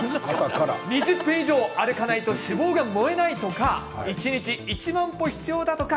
２０分以上、歩かないと脂肪が燃えないとか一日１万歩必要だとか